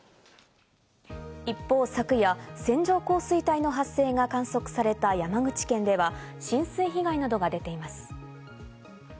一方、昨夜線状降水帯の発生が観測された山口県では、浸水被害などが出ています。